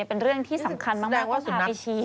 เป็นเรื่องที่สำคัญมากว่าพาไปชี้